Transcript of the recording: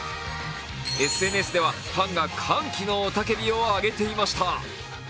ＳＮＳでは、ファンが歓喜の雄たけびを上げていました。